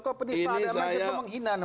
kok penista agama kita menghina